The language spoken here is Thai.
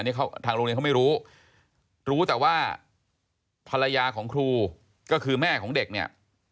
ทางโรงเรียนเขาไม่รู้รู้รู้แต่ว่าภรรยาของครูก็คือแม่ของเด็กเนี่ย